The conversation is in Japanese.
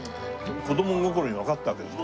子供心にわかったわけですか？